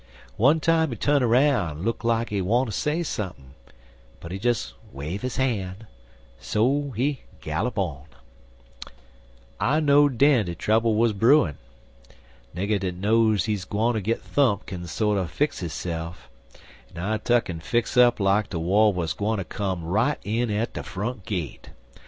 One time he tu'n roun' en look like he wanter say sump'n', but he des waf' his han' so en gallop on. I know'd den dat trouble wuz brewin'. Nigger dat knows he's gwineter git thumped kin sorter fix hisse'f, en I tuck'n fix up like de war wuz gwineter come right in at de front gate.